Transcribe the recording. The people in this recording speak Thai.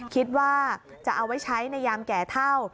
คิดว่าจะเอาไว้ใช้ในยามแก่เท่า